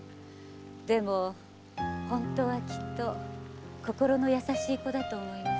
でも本当はきっと心の優しい子だと思います。